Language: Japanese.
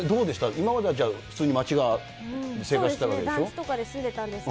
今までは普通に街が、生活してたわけでしょ？